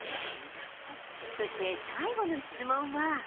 そして、最後の質問は。